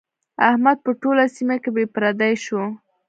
احمد په ټوله سيمه کې بې پردې شو.